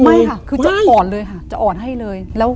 ไม่ค่ะคือจะอ่อนเลยค่ะจะอ่อนให้เลย